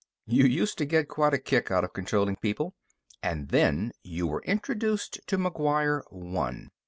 "You used to get quite a kick out of controlling people. And then you were introduced to McGuire One.